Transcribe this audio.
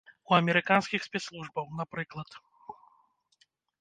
У амерыканскіх спецслужбаў, напрыклад.